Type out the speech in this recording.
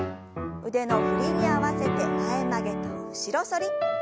腕の振りに合わせて前曲げと後ろ反り。